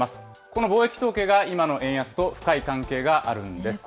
この貿易統計が今の円安と深い関係があるんです。